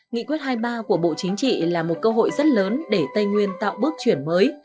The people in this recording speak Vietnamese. nghị quyết hai mươi ba của bộ chính trị là một cơ hội rất lớn để tây nguyên tạo bước chuyển mới